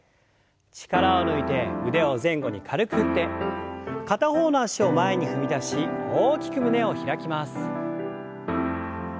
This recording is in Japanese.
力を抜いて腕を前後に軽く振って片方の脚を前に踏み出し大きく胸を開きます。